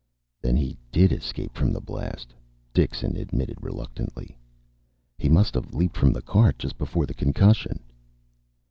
"Then he did escape from the blast," Dixon admitted reluctantly. "He must have leaped from the cart just before the concussion."